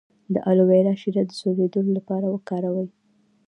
د الوویرا شیره د سوځیدو لپاره وکاروئ